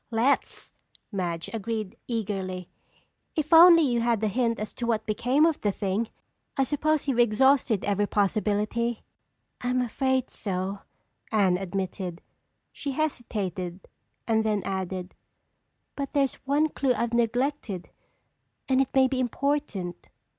"Let's!" Madge agreed eagerly. "If only you had a hint as to what became of the thing! I suppose you've exhausted every possibility." "I'm afraid so," Anne admitted. She hesitated and then added: "But there's one clue I've neglected and it may be important."